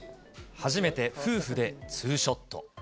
初めて夫婦でツーショット。